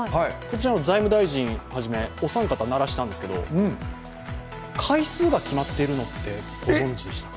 財務大臣はじめお三方が鳴らしたんですけど、回数が決まっているのってご存じでしたか？